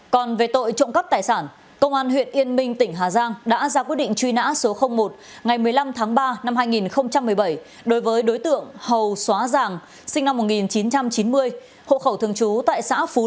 còn về tội trộm cắp tài sản công an huyện yên minh tỉnh hà giang đã ra quyết định truy nã số một ngày một mươi năm tháng ba năm hai nghìn một mươi bảy đối với đối tượng hầu xóa giàng sinh năm một nghìn chín trăm chín mươi hộ khẩu thường trú tại xã phú mỹ